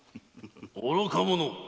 ・愚か者！